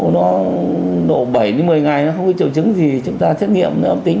nó độ bảy đến một mươi ngày nó không có triệu chứng gì thì chúng ta chất nghiệm nó ấm tính